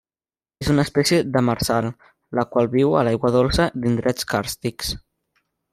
És una espècie demersal, la qual viu a l'aigua dolça d'indrets càrstics.